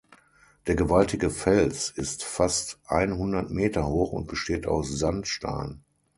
Der gewaltige Fels ist fast einhundert Meter hoch und besteht aus Sandstein.